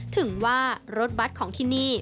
ถึงว่ารถบัตรของที่นี่